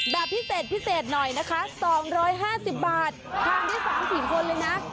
แบบพิเศษหน่อยนะคะ๒๕๐บาททางด้วย๓๔คนเลยนะ